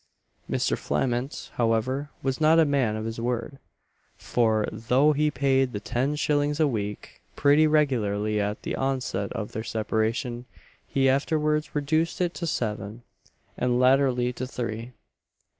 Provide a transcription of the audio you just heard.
Mr. Flament, however, was not a man of his word; for, though he paid the ten shillings a week pretty regularly at the outset of their separation, he afterwards reduced it to seven, and latterly to three.